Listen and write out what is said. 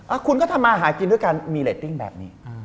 คุณก็ทำมาหากินด้วยกันมีเรตติ้งแบบนี้